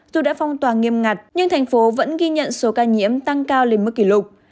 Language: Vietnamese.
dù đã phong tỏa nghiêm ngặt nhưng thành phố vẫn ghi nhận số ca nhiễm tăng cao lên mức kỷ lục